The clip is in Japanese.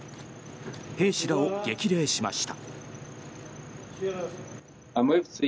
兵士らを激励しました。